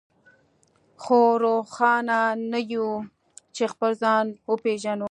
خو روښانه نه يو چې خپل ځان وپېژنو.